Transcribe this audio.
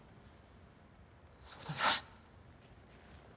そうだな。